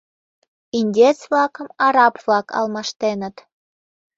Индиец-влакым араб-влак алмаштеныт.